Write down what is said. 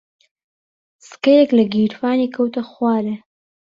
سکەیەک لە گیرفانی کەوتە خوارێ.